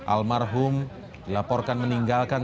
almarhum dilaporkan meninggalkan